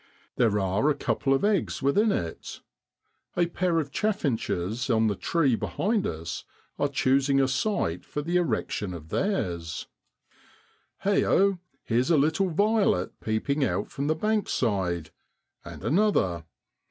There are a couple of eggs within it. A pair of chaffinches on the tree behind us are choosing a site for the erec 28 MARCH IN BROADLAND. tion of theirs. Heigho ! here's a little violet peeping out from the bank side, and another.